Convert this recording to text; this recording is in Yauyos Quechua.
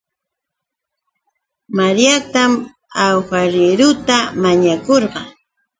Mariatam awhariieruta mañakurqaa